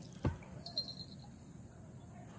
ทดสอบ